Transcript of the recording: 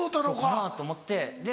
そうかな？と思って。